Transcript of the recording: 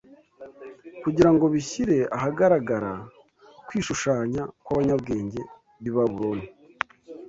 kugira ngo bishyire ahagaragara kwishushanya kw’abanyabwenge b’i Babuloni